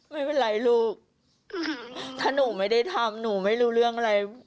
ไม่เป็นไรลูกถ้าหนูไม่ได้ทำหนูไม่รู้เรื่องอะไร